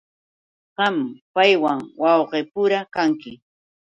Qam paywan wawqipura kanki.